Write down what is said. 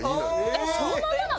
えっそのまんまなの？